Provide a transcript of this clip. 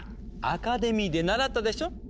アカデミーで習ったでしょ？